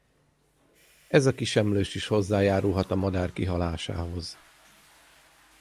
Ez a kis emlős is hozzájárulhat a madár kihalásához.